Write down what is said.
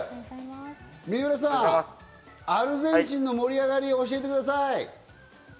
三浦さん、アルゼンチンの盛り上がり、教えてください。